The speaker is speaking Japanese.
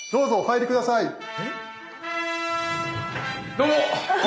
どうも。